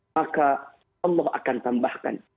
maka allah akan tambahkan